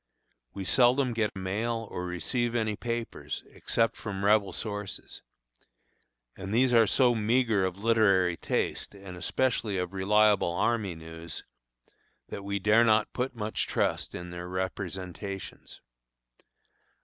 We seldom get a mail or receive any papers, except from rebel sources, and these are so meagre of literary taste and especially of reliable army news, that we dare not put much trust in their representations.